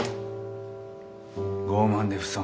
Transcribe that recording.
傲慢で不遜。